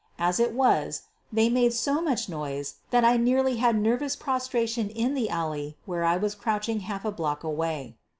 As it was, they made so much noise that I nearly had nervous prostration in the alley where I was crouching half a block away.